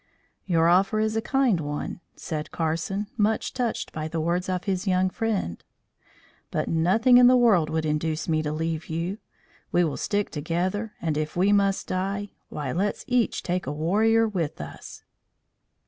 "Your offer is a kind one," said Carson much touched by the words of his young friend; "but nothing in the world would induce me to leave you. We will stick together and if we must die, why let's each take a warrior with us."